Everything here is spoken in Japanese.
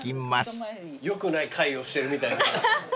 よくない会をしてるみたいな。